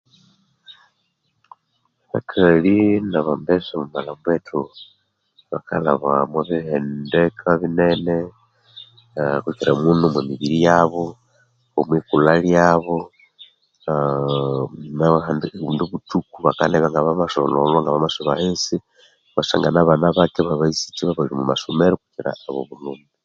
Abakali nabambesa omwa malhambo ethu bakalhaba omwa bihendeka binene kukira muno omwa mibiri yabo omwikulha lyabo nobundi buthuku bakanabya nga bamasolholhwa ngabamasuba ahisi wukasangana abana bake abobuyisiki ibabali omwa masukuru omwa masomero kukira abobulhume.